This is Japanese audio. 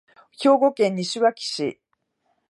兵庫県西脇市